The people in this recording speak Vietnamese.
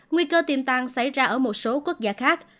nguy cơ tiềm tàng xảy ra ở một số quốc gia khác